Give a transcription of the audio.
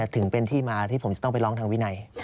ถึงเป็นที่มาที่ผมจะต้องไปร้องทางวินัย